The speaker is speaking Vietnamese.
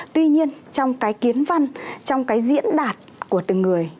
tuy nhiên trong cái kiến văn trong cái diễn đạt của từng người